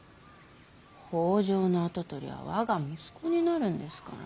北条の跡取りは我が息子になるんですから。